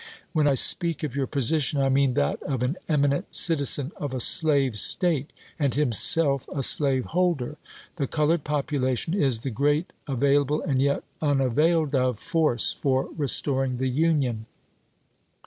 Wlieii I speak of your position, I mean that of an eminent citizen of a slave State, and himself a slaveholder. The colored population is the great available and yet unavailed of force for 1863. restoring the Union.